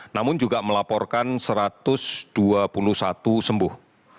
namun juga melaporkan satu ratus dua puluh satu sembuh